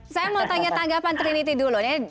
saya mau tanya tanggapan trinity dulu